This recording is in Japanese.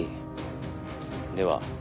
では